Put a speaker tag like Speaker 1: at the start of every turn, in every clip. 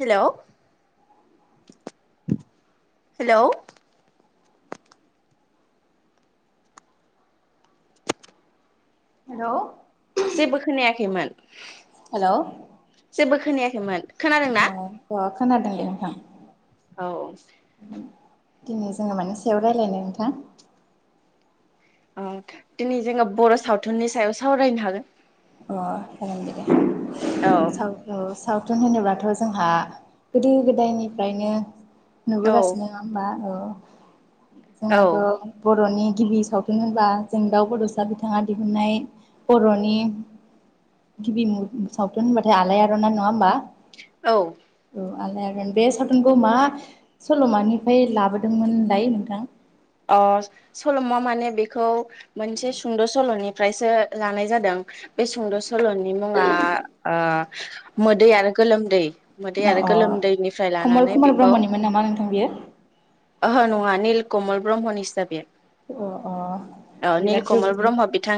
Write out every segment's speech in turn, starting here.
Speaker 1: Hello hello
Speaker 2: हेऔ
Speaker 1: जेबो खोनायाखैमोन।
Speaker 2: हेलौ
Speaker 1: जेबो खोनायाखै खैमोन
Speaker 2: औ खोनादोंलै नोंथां
Speaker 1: औ
Speaker 2: दिनै जोंङो माने सायाव रायज्लायनो नोंथां
Speaker 1: औ दिनै जोंङो बर' सावथुननि सायाव सावरायनो हागोन
Speaker 2: अ जागोन दे
Speaker 1: औ
Speaker 2: सावराय सावथुन होनोब्लाथ' जोंहा गोदो गोदायनिफ्रायनो
Speaker 1: औ
Speaker 2: नुबोगासिनो नंङा होमबा औ जोंहाथ'
Speaker 1: औ
Speaker 2: बर'नि गिबि सावथुन होनबा जों दाउ बड'सा बिथाङा दिहुननाय बर'नि गिबि सावथुन होनबाथाय आलाय अरन नंङा होमबा
Speaker 1: औ
Speaker 2: आलाय अरन बे सावथुनखौ मा सल'मानिफ्राय लाबोदोंमोनलाय नोंथां
Speaker 1: अ सल'मा माने बेखौ मोनसे सुंद' सल'निफ्रायसो लानाय जादों बे सुंद' सल' सल'नि मुंङा मोदै आरो गोलोमदै मोदै
Speaker 2: अ
Speaker 1: आरो
Speaker 2: अ
Speaker 1: गोलोमदैनिफ्राय
Speaker 2: कमल
Speaker 1: लानानै
Speaker 2: कुमार
Speaker 1: बेखौ
Speaker 2: ब्रह्मनिमोन नामा नोंथां बियो
Speaker 1: ओहो नङा निल कमल ब्रह्म सिहाबे
Speaker 2: अ अ
Speaker 1: ओ निल
Speaker 2: बिराद गोब
Speaker 1: कमल ब्रह्म बिथां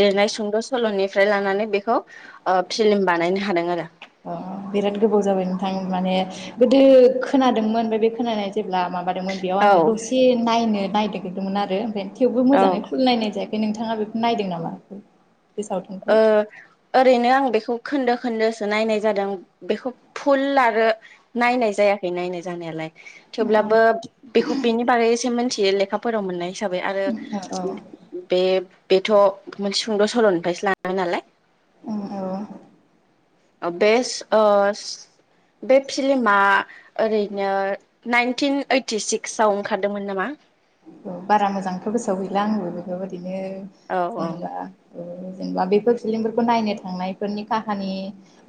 Speaker 1: लिरनाय सुंद सलनि फ्राय लानानै बेखौ ओ फिलिम बानायनो हादों आरो
Speaker 2: अ बिराद गोबाव जाबाय नोंथां माने गोदो खोनादोंमोन बे खोनानाय जे माबादोंमोन बेयाव आङो
Speaker 1: औ
Speaker 2: दसे नायनो नायगिरदोंमोन आरो ओमफाय थेवबो
Speaker 1: औ
Speaker 2: मोजाङै फुननाय नाय जाया बे नोंथाङा बेखौ नायदों नामा बे सावथुनखौ
Speaker 1: ओ ओरैनो आं बेखौ खोनदो खोन्दोसो नायनाय जादों बेखौ फुल आरो नायनाय जायाखै नायनाय जानायालाय थेवब्लाबो
Speaker 2: अ
Speaker 1: बेखौ बेनि बागैसो मिथियो ले लेखाफोराव मोननाय हिसाबै आरो
Speaker 2: औ
Speaker 1: बे बेथ मोनसे सुंद सलनिफ्रायसो ला नालाय
Speaker 2: औ औ
Speaker 1: अबेस अस बे फिल्मा ओरैनो नाइनटिन ओइटि सिक्स आव ओंखारदोंमोन नामा
Speaker 2: औ बारा मोजांथ गोसोआव गैला आंबो बेफोरबायदि बिदिनो
Speaker 1: औ औ
Speaker 2: जेनेबा औ जेनेबा बेफोर फिलिमफोरखौ नायनो थांनायफोरनि काहानि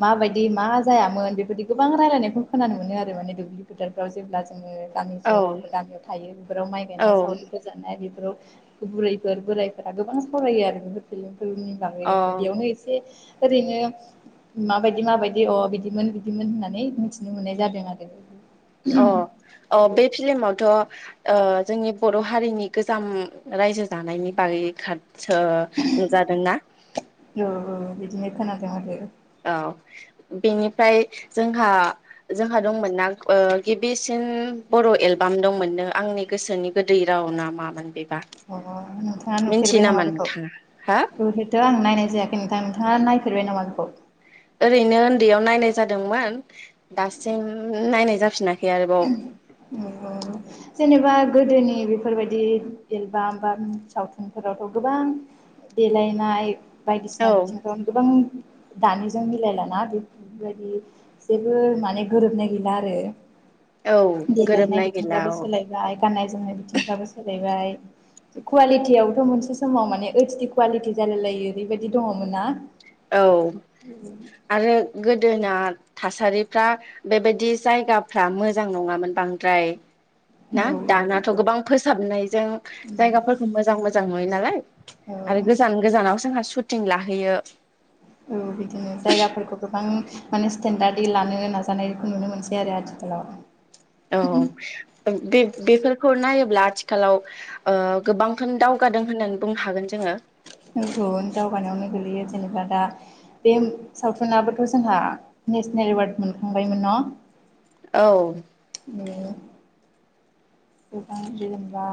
Speaker 2: माबायदि मा जायामोन बेबायदि गोबां रायलायनायखौ खोनानो मोनो आरो माने दुब्लि फोथारफ्राव जेब्ला जोङो गामि
Speaker 1: औ
Speaker 2: सहरावबो गामियाव थायो बेफोराव माइ गायनाय
Speaker 1: औ
Speaker 2: सावरिफोर बेफोर बेफोराव बुरैफोर बोरायफोरा गोबां सावरायो आरो बेफोर फिल्म फोरनि बागै
Speaker 1: अ
Speaker 2: बेयावनो एसे ओरैनो माबायदि माबायदि अ बिदिमोन बिदिमोन होननानै मिथिनो मोननाय जादों आरो
Speaker 1: अ अ बे फिलमावथ ओ जोंनि बर हारिनि गोजाम रायजो जानायनि बागै खादसो ओ नुजादों ना?
Speaker 2: औ औ बिदिनो खोनादों आरो
Speaker 1: औ बेनिफ्राय जोंहा जोंहा दंमोन ना ओ गिबिसिन बर एलबाम दंमोननो आंनि गोसोनि गोदै राव ना मामोन बे
Speaker 2: अ नोंथाङा नुफेरबाय नामा बेखौ
Speaker 1: नोंथाङा हा
Speaker 2: ओहोथआं नायनाय जायाखै नोंथां नोंथाङा नाय नुफेरबाय नामा बेखौ
Speaker 1: ओरैनो उन्दैयाव नायनाय जादोंमोन दासिम नायनाय जाफिना बे आरोबाव
Speaker 2: जेनेबा गोदोनि बेफोरबायदि एलबाम बा सावथुनफोरावथ गोबां देलायनाय बायदिसिना
Speaker 1: औ
Speaker 2: बिथिंफ्राव गोबां दानिजों मिलायलाना बेफोरबायदि जेबो माने गोरोबनाय गैला आरो
Speaker 1: औ
Speaker 2: देलायनाय
Speaker 1: गोरोबनाय गैला
Speaker 2: बिथिंफ्राबो
Speaker 1: औ
Speaker 2: सोलायबाय गाननाय जोमनाय बिथिंफ्राबो सोलायबाय कुवालिटियावथ मोनसे समाव माने ओइस डि कुवालिटि जालाय लायो ओरैबायदि दङमोनना
Speaker 1: औ आरो गो दोना थासारिफ्रा बेबायदि जायगाफ्रा मोजां नङामोन बांद्राय
Speaker 2: औ
Speaker 1: ना दानाथ
Speaker 2: औ औ
Speaker 1: गोबां फोसाबनायजों
Speaker 2: उम
Speaker 1: जायगाफोरखौ मोजां मोजां नुयो नालाय
Speaker 2: औ
Speaker 1: आरो गोजान गोजानाव जोंहा सुट टिं लाहैयो
Speaker 2: औ बिदिनो जायगाफोरखौ गोबां माने स्टेनडार्ड दि लानो नाजानायखौ नुनो मोनसै आरो आथिखालाव
Speaker 1: औ बे बेफोरखौ नायोब ब्ला आथिखालाव ओ गोबांथन दावगादों होननानै बुंनो हागोन जोङो
Speaker 2: बेनथन दावगानायावनो गोगलैयो जेनेबा दा बे सावथुनाबोथ जोंहा नेस्नेल एवार्ड मोनखांबायमोन ना
Speaker 1: औ
Speaker 2: नों गोबां जेनेबा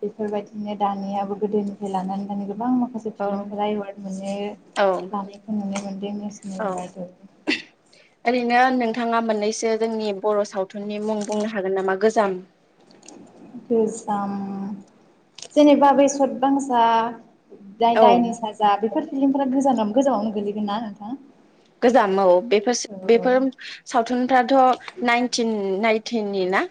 Speaker 2: बेफोरबायदिनो दानियाबो गोदोनिफ्राय लानानै दानि गो बां माखासे
Speaker 1: औ
Speaker 2: फिल्मफोरा एवार्ड मोननो लानायखौ नुनो मोन [inaudible]
Speaker 1: औ ओरैनो नों थाङा मोननैसो जोंनि बर सावथुननि मुं बुंनो हागोन नामा गोजाम?
Speaker 2: गोजाम जेनेबा बे सदबांसा जाय
Speaker 1: औ
Speaker 2: दायनि साजा बेफोर फिलिमफोरा गोजानाव गोजामावनो गोलैगोन ना नोंथां?
Speaker 1: गोजाम औ बेफोर बेफोर सावथुनफ्राथ नाइनटिन नाइटिनि ना?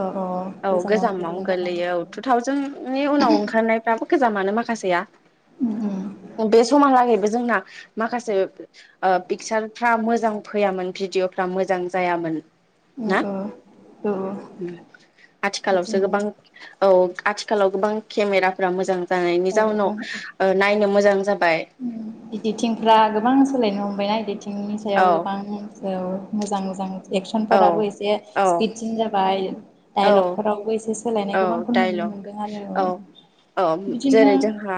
Speaker 2: अ अ
Speaker 1: औ गोजामावनो
Speaker 2: गोलैगोन
Speaker 1: गोगलैयो औ
Speaker 2: जानांगौ
Speaker 1: टु थावजेननि उनाव ओंखारनायफ्राबो गोजामानो माखासेया
Speaker 2: उम उम
Speaker 1: बे समहालागैबो जोंना माखासे ओ पिकसारफ्रा मोजां फैयामोन भिडिअफ्रा मोजां जायामोन। ना
Speaker 2: उम्म ओ ओ ओ
Speaker 1: आथिखालावसो गोबां औ आथिखालाव गोबां केमेराफोरा मोजां जानायनि
Speaker 2: औ औ
Speaker 1: जाउनाव नायनो मोजां जाबाय।
Speaker 2: बायना [unintelligible]
Speaker 1: औ
Speaker 2: सायाव गोबां मोजां मोजां
Speaker 1: औ
Speaker 2: एक्सनफोराबो एसे
Speaker 1: औ
Speaker 2: स्पिडसिन जाबाय।
Speaker 1: औ
Speaker 2: डाइलगफोरावबो एसे सोलायनाय
Speaker 1: औ
Speaker 2: गोबांखौ नुनो
Speaker 1: डाइलग
Speaker 2: मोनदों आरो।
Speaker 1: औ औ
Speaker 2: बिदिनो
Speaker 1: जेरै जोंहा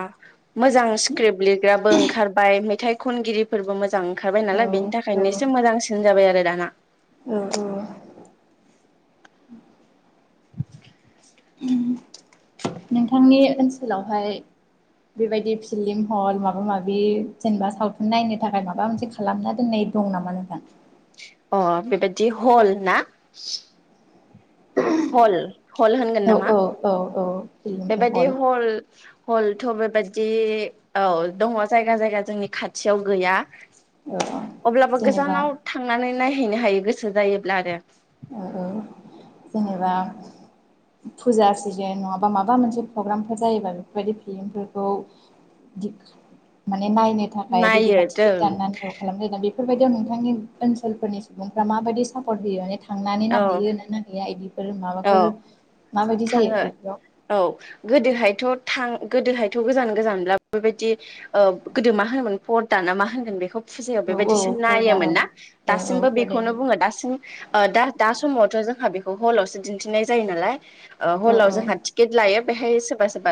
Speaker 1: मोजां स्क्रिप्ट लिरग्राबो ओंखारबाय मेथाइ खनगिरिफोरबो मोजां ओंखारबाय
Speaker 2: औ
Speaker 1: नालाय बेनि
Speaker 2: औ
Speaker 1: थाखायनो एसे मोजांसिन जाबाय आरो दा। [unintelligible]
Speaker 2: औ औ
Speaker 1: [unintelligible]
Speaker 2: नोंथांनि ओनसोलावहाय बेबायदि फिलिम हल माबा माबि जेनेबा सावथुन नायनो थाखाय माबा मोनसे खालामना दोननाय दं नामा नोंथां?
Speaker 1: अ बेबायदि हल ना? ह'ल ह'ल होनगोन
Speaker 2: औ
Speaker 1: नामा
Speaker 2: औ औ औ फिल्म
Speaker 1: बेबायदि ह'ल ह'लथ बे बेबादि औ दङ जायगा जायगा जोंनि खाथियाव गैया।
Speaker 2: औ औ
Speaker 1: अब्लाबो
Speaker 2: जेनेबा
Speaker 1: गोजानाव थांनानै नायहैनो हायो गोसो जायोब्ला आरो।
Speaker 2: औ -औ जेनेबा फुजा सिजेन नङाबा माबा मोनसे पग्रामफोर जायोबा बेफोरबायदि फिलिमफोरखौ दि नायनो थाखाय
Speaker 1: नायो
Speaker 2: रेडेखा
Speaker 1: जों
Speaker 2: टिकेट दाननानै [unintelligible] बेफोरबायदियाव नोंथांनि ओनसोलफोरनि सुबुंफ्रा माबायदि सापर्ट होयो माने थांनानै
Speaker 1: औ
Speaker 2: नाहैयो ना नायहैया इदिफोर माबाफोर
Speaker 1: औ
Speaker 2: माबायदि जायो
Speaker 1: थाङो
Speaker 2: बेफोराव।
Speaker 1: औ गोदोहायथ' थां गोदोहायथ गोजान गोजानब्ला बेबायदि गोदो मा होनोमोन फरदाना मा होनगोन बेखौ फुजायाव
Speaker 2: औ औ
Speaker 1: बेबायदिसो
Speaker 2: फरदा औ
Speaker 1: नायोमोन ना
Speaker 2: औ औ
Speaker 1: दासिमबो बेखौनो बुङो
Speaker 2: फरदायानो
Speaker 1: दासिम ओ दा थ जोंहा बेखौ हलावसो दिन्थिनाय जायो नालाय ओ
Speaker 2: औ
Speaker 1: हलाव जोंहा टिकेट लायो बेहाय सोरबा- सोरबा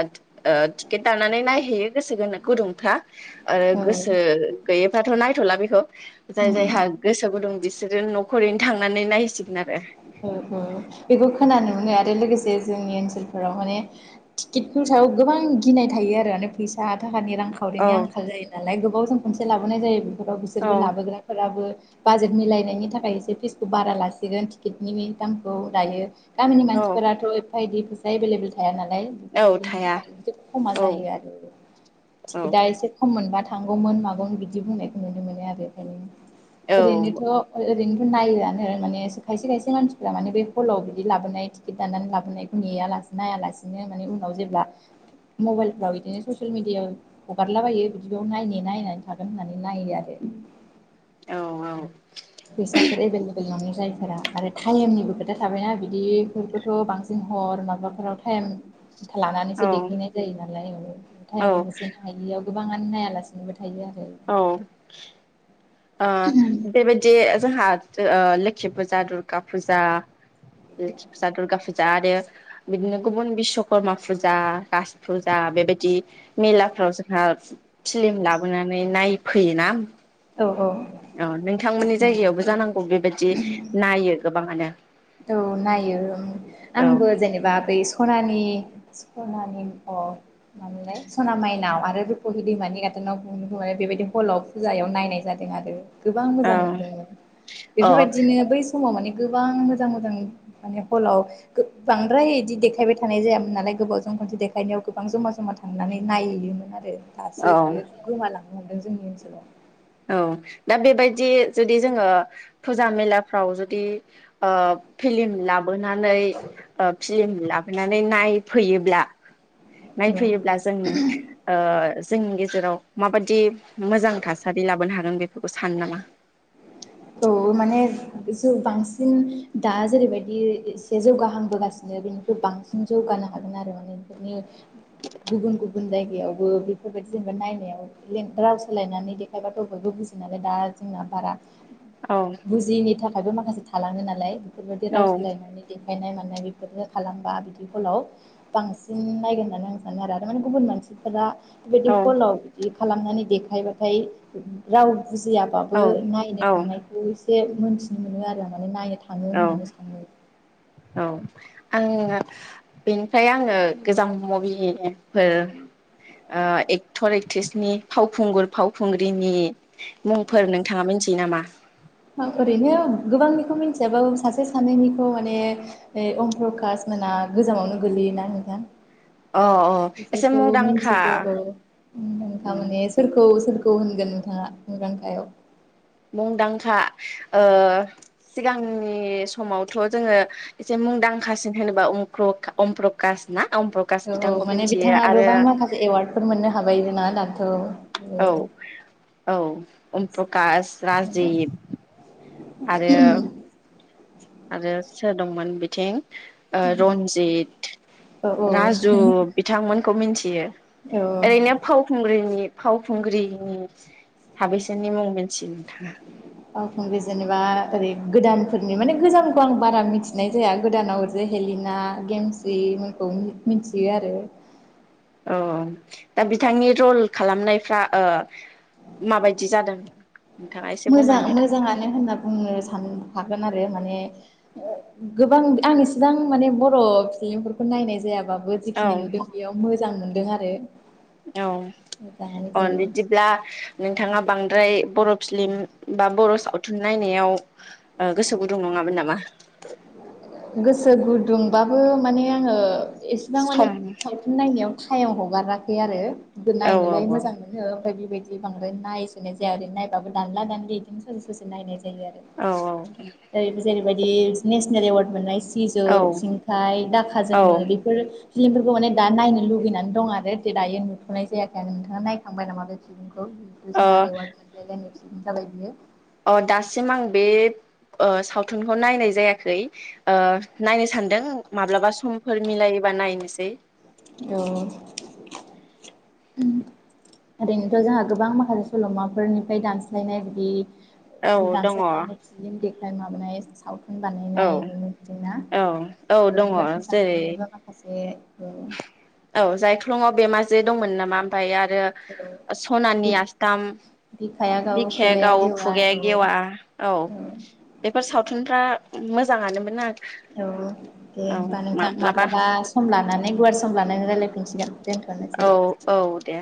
Speaker 1: ओ टिकेट दाननानै नायहैयो गोसो गो गुदुंफ्रा। ओ
Speaker 2: औ
Speaker 1: गोसो गैयैबाथ नाय थला बिखौ। जाय जायहा गोसो गुदुं बिसोरो न खरैनो थांनानै नायसि
Speaker 2: [unintelligible] बेबो खोनानो माने आरो लोगोसे जोंनि ओनसोलफोराव माने टिकितनि सायाव गोबां गिनाय थायो आरो माने फैसा था खानि
Speaker 1: औ
Speaker 2: रांखाविनि आखाल जायो नालाय गोबावजों खनसे लाबोनाय जायो बे न'खराव बिसोरबो
Speaker 1: औ
Speaker 2: लाबोग्राफोराबो बाजेट मिलायनायनि थाखाय एसे फिसखौ बारा लासिगोन टिकिटनि दामखौ लायो गामिनि
Speaker 1: औ
Speaker 2: मानसिफोराथ' एफाइदि एभेलेबोल थाया ना
Speaker 1: औ
Speaker 2: बेफोरबायदिनि
Speaker 1: थाया
Speaker 2: थाखायबो खमा
Speaker 1: औ
Speaker 2: जायो आरो टिकेटआ एसे खम मोनबथाय थांगौमोन मागौमोन बिदि बुंनायखौ नुनो मोनो आरो
Speaker 1: औ
Speaker 2: ओंखायनो ओरैनोथ ओ-ओरै नायो माने खायसे खायसे मानसिफ्रा माने बे हलाव बिदि लाबोनाय टिकेट दाननानै लाबोनायखौ नेया लासे नाया लासिनो माने उनाव जेब्ला मबाइलफ्राव बिदिनो ससियेल मिडियाआव हगारलाबायो बिदियाव नाय नायनानै थागोन होननानै नायो आरो
Speaker 1: औ औ
Speaker 2: फैसाफोर एभेलेबेल नङै जायफोरा आरो टाइमनिबो खोथा थाबायना बिदिफोरखौथ' बांसिन हर माबाफोराव टाइम लानानैसो देखायनाय जायो नालाय
Speaker 1: औ
Speaker 2: टाइमखौ होसोनो हायियाव गोबाङानो नायालासिनोबो थायो आरो
Speaker 1: ओ बे बायदि जोंहा ओ लोखि फुजा दुर्गा फुजा लोखि फुजा दुर्गा फुजा आरो बिदिनो गुबुन बिशस्वकर्मा फुजा राज फुजा बेबायदि मेलाफोराव जोंहा फिलिम लाबोनानै नायफैयोना
Speaker 2: औ औ
Speaker 1: अ नोंथांमोननि जायगायावबो जानां बेबायदि नायो गोबाङानो
Speaker 2: औ नायो
Speaker 1: औ
Speaker 2: आंबो जेनेबा बै सना नि सनानि अ मा मोनलाय सना मायनाव आरो रुपुहि दैमानि गाथोनाव बेबायदि हलाव फुजायाव नाय नाय जादों आरो। गोबां मोजां
Speaker 1: औ
Speaker 2: मोनदोंमोन
Speaker 1: औ
Speaker 2: बेफोरबायदिनो बै फुंङाव माने गोबां मोजां मोजां माने हलाव बांद्राय इदि देखायबाय थानाय जायामोन नालाय गोबावजों खनसे देखायनायाव गोबां जमा-जमा थांनानै नायोमोन आरो। दासो
Speaker 1: औ
Speaker 2: बियो गोमालां दों जोंनि ओनसोलाव।
Speaker 1: औ दा बेबायदि जुदि जोंङो फुजा मेलाफ्राव जुदि ओ फिलिम लाबोनानै फिलिम लाबोनानै नायफैयोब्ला नायफैयोब्ला जों ओ जोंनि गेजेराव माबादि मोजां थासारि लाबोनो हागोन बेफोरखौ सानो नामा।
Speaker 2: औ माने ज बांसिन दा जेरैबायदि एसे जौगाहांबोगासिनो बेनिख्रुइ बांसिन जौगानो हागोन आरो माने बेफोरनि गुबुन-गुबुन जायगायावबो बेफोरबायदि जेनेबा नायनायाव राव सोलायनानै देखायबाथ' बयबो बुजियो नालाय दा जोंना बारा
Speaker 1: औ
Speaker 2: बुजियिनि थाखाय बेआवबो माखासे थालां ओ नालाय। बेफोरबायदि
Speaker 1: औ
Speaker 2: राव सोलायनानै दे गायनाय मानाय बेफोर खालामबा बिदि फलाव बांसिन नायगोन होननानै आं सानो आरो माने गुबुन मानसिफोरा बेबादि
Speaker 1: औ
Speaker 2: हलाव बिदि खालामनानै देखायबाथाय राव
Speaker 1: औ
Speaker 2: बुजियाबाबो नायनो
Speaker 1: औ
Speaker 2: थांनायखौ एसे मोनथिनो मोनो आरो माने नायनो थाङो
Speaker 1: औ
Speaker 2: होननानै सानो।
Speaker 1: औ आङो बेनिफ्राय आङो गोजाम मुभिफोर ओ एक्टर एक्ट्रिसनि फावखुंगुर फावखुंग्रिनि मुंफोर नोंथाङा मिथियो नामा।
Speaker 2: ओरैनो गोबांनिखौ मिथियाबो सासे सानैनिखौ माने ओइ अमप्रकास मोनहा गोजामावनो गोलैयोना नोंथां
Speaker 1: अ एसे
Speaker 2: बिसोरखौ
Speaker 1: मुंदांखा
Speaker 2: मिथिगौ औ नोंथां
Speaker 1: उम
Speaker 2: माने सोरखौ सोरखौ औ होनगोन नोंथाङा मुंदांखायाव
Speaker 1: मुंदांखा ओ सिगांनि समावथ जोंङो एसे मुंदांखासिन होनोबा अमप्र-अमप्रकास ना। अम प्रकास
Speaker 2: औ औ
Speaker 1: बिथांखौ
Speaker 2: माने
Speaker 1: मिथियो
Speaker 2: बिथाङा
Speaker 1: आरो
Speaker 2: गोबां माखासे एवार्डफोर मोननो हाबाय ना दा औ
Speaker 1: औ औ अमप्रकास राजिब आरो आरो सोर दंमोन बिथिं ओ रन्जित
Speaker 2: औ औ
Speaker 1: राजु बिथांमोन खौ मिन्थियो।
Speaker 2: औ
Speaker 1: ओरैनो फावखुंग्रिनि फावखुंग्रिनि साबेसेनि मुं मोनथि नोंथाङा?
Speaker 2: फावखुंग्रि जेनेबा ओरै गोदानफोरनि माने गोजामखौ आं बारा मिथिनाय जाया गोदानाव जे हेलिना गेमस्रिमोनखौ मि-मिथियो आरो
Speaker 1: औ दा बिथांनि रल खालामनायफ्रा ओ माबायदि जादों? नोंथाङा एसे
Speaker 2: मोजां
Speaker 1: बुंनानै होदो
Speaker 2: मोजाङानो होनना बुंनो सानहाखागोन आरो माने ओ गोबां आं इसेबां माने बर' फिलिमफोरखौ नायनाय जायाबा बो जिखिनि
Speaker 1: औ
Speaker 2: नुदों बेयाव मोजां नु दों आरो
Speaker 1: औ
Speaker 2: मोजाङानो
Speaker 1: अन
Speaker 2: जायो
Speaker 1: बिदिब्ला नोंथाङा बांद्राय बर' फिलिम बा बर' सावथुन नायनायाव ओ गोसो गुदुं नङामोन नामा? [inaudible]
Speaker 2: गोसो गुदुंबाबो माने आङो एसेबां माने
Speaker 1: सम
Speaker 2: सावथुन नायनायाव सायाव हगाराखै आरो।
Speaker 1: औ
Speaker 2: नायनोलाय मोजां मोनो ओमफ्राय बिबायदि बि बांद्राय नायसुनाय जाया आरैनो नायबाबो दानला दानलि बिदिनो ससे ससे नायनाय जायो आरो
Speaker 1: औ
Speaker 2: ओरैबो जेरैबायदि नेसनेल ऐवरत मोननाय सिजौ
Speaker 1: औ
Speaker 2: सिंखाय दाखा
Speaker 1: औ
Speaker 2: जोमै बेफोरो फिलिमफोरखौ माने दा नायनो लुगैनानै दं आरो दायो नुथ'नाय जायाखै आरो नोंथाङा नायखांबाय नामा बे फिल्मखौ। खौ जोंहा
Speaker 1: ओ
Speaker 2: ऐवरत मोनलायनाय जाबाय बियो।
Speaker 1: अ दासिम आं बे ओ सावथुनखौ नायनाय जायाखै ओ नायनो सानदों माब्लाबा समफोर मिलायोबा नायनोसै।
Speaker 2: औ। ओरैनोथ' जोंहा गोबां माखासे सल'मा फोरनिफ्राय दानस्लायनाय बिदि
Speaker 1: औ
Speaker 2: फिल्म
Speaker 1: दङ
Speaker 2: दानस्लायनानै फिल्म देखाय ओमफाय माबानाय साउथु न बानायनाय
Speaker 1: औ
Speaker 2: नुनो मोनदोंना
Speaker 1: औ औ दङ
Speaker 2: चितरन्जन
Speaker 1: जेरै
Speaker 2: मोसाहारिनिबो माखासे औ
Speaker 1: औ जायखौ सिुफ्लङाव बेमाजे दंमोन नामा ओमफ्राय आरो
Speaker 2: औ
Speaker 1: सनानि आस्थाम
Speaker 2: बिखाया गावो
Speaker 1: बिखायाव
Speaker 2: खुगाया
Speaker 1: गावो
Speaker 2: गेवा
Speaker 1: खुगाया
Speaker 2: औ
Speaker 1: गेवा औ बेफोर सावथुनफ्रा मोजां मोजांआनो मोना
Speaker 2: औ दे होनबा नोंथां माब्लाबा सम लानानै माने गुवार सम लानानै रायलाय फिनसिगोन।
Speaker 1: औ औ दे।